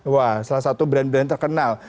wah salah satu brand brand terkenal